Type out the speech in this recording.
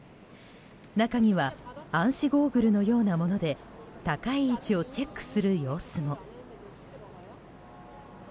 中には暗視ゴーグルのようなもので高い位置をチェックする様子も。